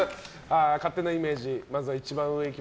勝手なイメージ、まずは一番上。